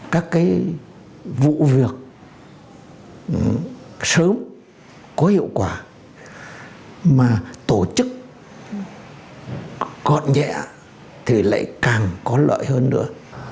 các cái vụ việc sớm có hiệu quả mà tổ chức gọn nhẹ thì lại càng có lợi hơn nữa